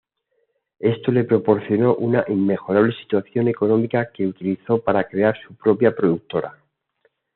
Esto le proporcionó una inmejorable situación económica que utilizó para crear su propia productora.